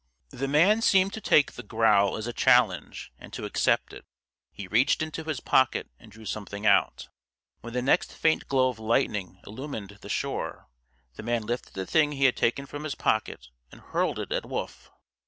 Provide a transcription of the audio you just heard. The man seemed to take the growl as a challenge, and to accept it. He reached into his pocket and drew something out. When the next faint glow of lightning illumined the shore, the man lifted the thing he had taken from his pocket and hurled it at Wolf.